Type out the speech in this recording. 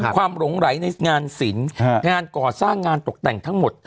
หลงไหลในงานศิลป์งานก่อสร้างงานตกแต่งทั้งหมด